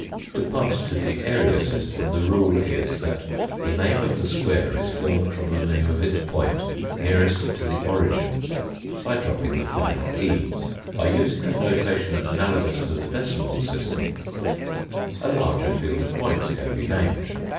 To pass to the area system the rule is that the name of the square is formed from the name of its point nearest to the origin by dropping the final e. By using a notation analogous to the decimal system a larger field of points can be named.